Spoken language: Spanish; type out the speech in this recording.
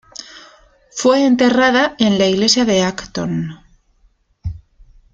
Fue enterrada en la iglesia de Acton.